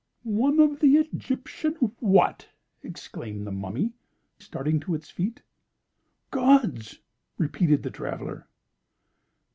"One of the Egyptian what?" exclaimed the Mummy, starting to its feet. "Gods!" repeated the traveller.